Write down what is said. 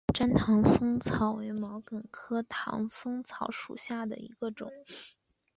粘唐松草为毛茛科唐松草属下的一个种。